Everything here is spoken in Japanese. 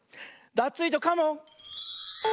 ダツイージョカモン！